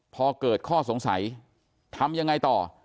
พอเกิดข้อสงสัยทำยังไงต่อ